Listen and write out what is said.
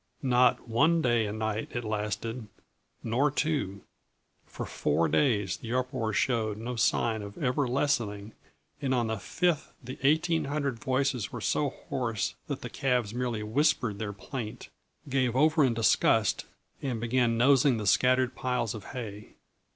Not one day and night it lasted, nor two. For four days the uproar showed no sign of ever lessening, and on the fifth the eighteen hundred voices were so hoarse that the calves merely whispered their plaint, gave over in disgust and began nosing the scattered piles of hay.